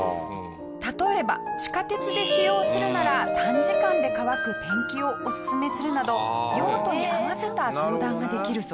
例えば地下鉄で使用するなら短時間で乾くペンキをおすすめするなど用途に合わせた相談ができるそうです。